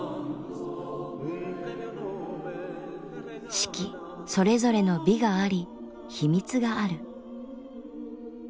四季それぞれの美があり秘密がある。